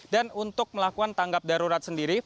dan untuk melakukan tanggap darurat sendiri